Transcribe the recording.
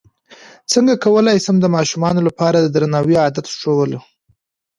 څنګه کولی شم د ماشومانو لپاره د درناوي عادت ښوول